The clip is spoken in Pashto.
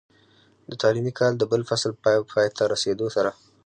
د تعليمي کال د بل فصل په پای ته رسېدو سره،